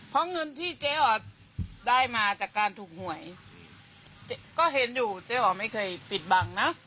เพราะเงินที่เจ๊อ๋อได้มาจากการถูกหวยเจ๊ก็เห็นอยู่เจ๊อ๋อไม่เคยปิดบังนะ